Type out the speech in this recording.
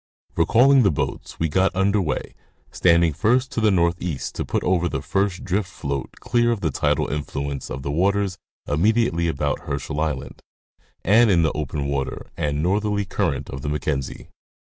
Recalling the boats, we got under way, standing first to the northeast to put over our first drift float clear of the tidal influence of the waters immediately about Her schel island, and in the open water and northerly current of the Mackenzie.